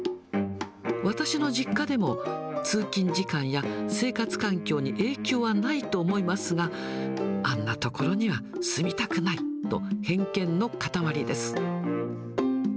私の実家でも、通勤時間や生活環境に影響はないと思いますが、あんな所には住みたくないと、偏見の塊です。